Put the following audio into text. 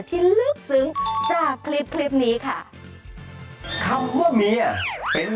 เป็นคำนาง